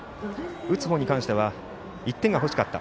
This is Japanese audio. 打つほうに関しては１点が欲しかった。